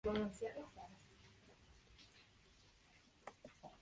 Una ofensiva croata consiguió controlar temporalmente la península antes de ser reconquistada.